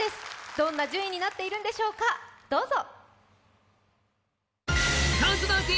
どんな順位になっているんでしょうか、どうぞ！